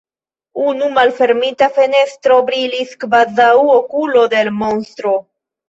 Unu malfermita fenestro brilis kvazaŭ okulo de l' monstro.